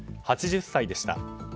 ８０歳でした。